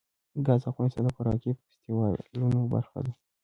ګاز د افغانستان د فرهنګي فستیوالونو برخه ده.